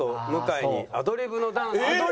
アドリブダンス？